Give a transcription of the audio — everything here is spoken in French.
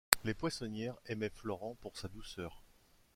Les poissonnières aimaient Florent pour sa douceur.